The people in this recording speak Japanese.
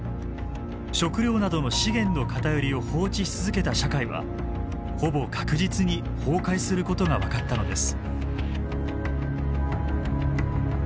食料などの資源の偏りを放置し続けた社会はほぼ確実に崩壊することが分かったのです。